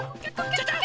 ちょっと！